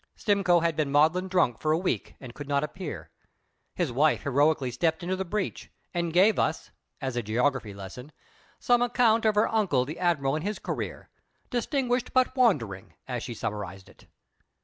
Stimcoe had been maudlin drunk for a week and could not appear. His wife heroically stepped into the breach, and gave us (as a geography lesson) some account of her uncle the admiral and his career "distinguished, but wandering," as she summarized it.